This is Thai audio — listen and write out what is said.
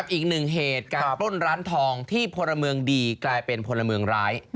อีกหนึ่งเหตุการปล้นร้านทองที่คนละเมืองดีเป็นคนละเมืองร้าย